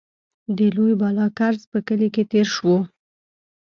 د لوی بالاکرز په کلي کې تېر شوو.